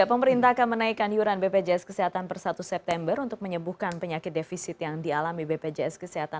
pemerintah akan menaikkan iuran bpjs kesehatan per satu september untuk menyembuhkan penyakit defisit yang dialami bpjs kesehatan